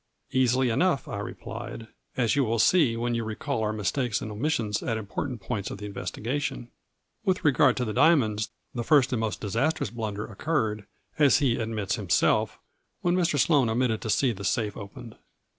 Easily enough," I replied, "As you will see when you recall our mistakes and omissions A FLURRY IN DIAMONDS. 200 at important points of the investigation. With regard to the diamonds the first and most dis astrous blunder occurred, as he admits himself, when Mr. Sloane omitted to see the safe opened.